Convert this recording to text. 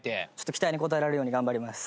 期待に応えられるように頑張ります。